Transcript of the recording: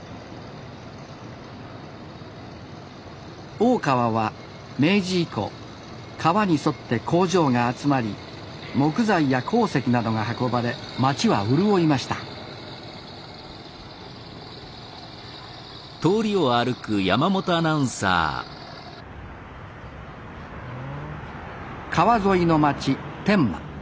大川は明治以降川に沿って工場が集まり木材や鉱石などが運ばれ街は潤いました川沿いの街天満。